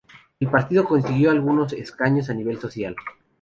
El partido consiguió algunos escaños a nivel local.